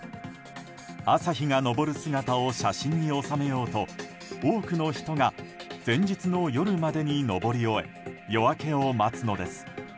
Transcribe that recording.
朝日が昇る姿を写真に収めようと多くの人が前日の夜までに登り終え夜明けを待つのです。